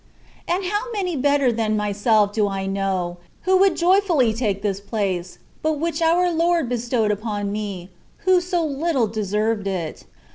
And how many better than myself do I know, who would joyfully take this place, but which oui Lord bestowed upon me, who so little deserve it